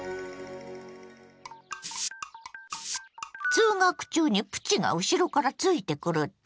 通学中にプチが後ろからついてくるって？